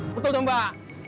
betul dong mbak